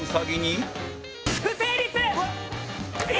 不成立！